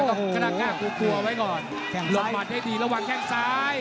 กล้ากลัวไว้ก่อนลดมันให้ดีระหว่างแก้งซ้าย